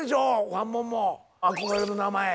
ファンモンも憧れの名前。